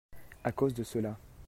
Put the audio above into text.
À cause de cela.